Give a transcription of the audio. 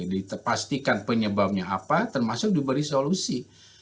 dipastikan penyebabnya apa termasuk diberi solusi